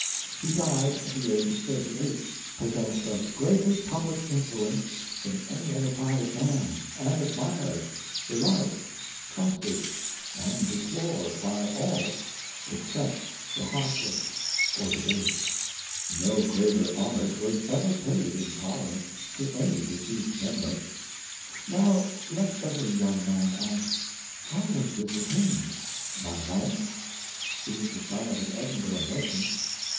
He died at the age of thirty eight; possessed of greater public in fluence than any other private man, and admired, be 602 FranklMs Integrity of Character, loved, trusted, and deplored by all, except the heartless or the base. No greater homage was ever paid in Par liament to any deceased member. Now let every young man ask — how was this attained.^ By rank.^ He was the son of an Edinburgh merchant.